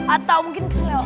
atau mungkin keseleraan oke